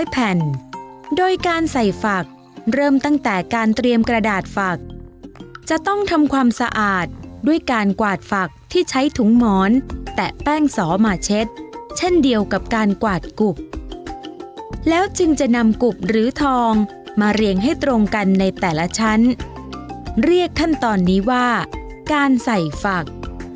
แผ่นโดยการใส่ฝักเริ่มตั้งแต่การเตรียมกระดาษฝักจะต้องทำความสะอาดด้วยการกวาดฝักที่ใช้ถุงหมอนแตะแป้งสอมาเช็ดเช่นเดียวกับการกวาดกุบแล้วจึงจะนำกุบหรือทองมาเรียงให้ตรงกันในแต่ละชั้นเรียกขั้นตอนนี้ว่าการใส่ฝัก